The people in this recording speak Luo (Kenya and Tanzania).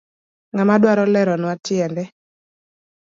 Ngama dwaro leronwa tiende.